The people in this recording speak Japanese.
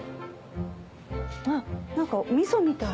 あっ何か味噌みたい。